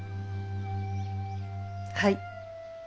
はい。